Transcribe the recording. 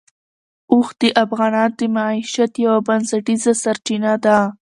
اوښ د افغانانو د معیشت یوه بنسټیزه سرچینه ده.